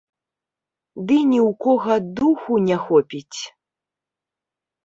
Ды ні ў кога духу не хопіць!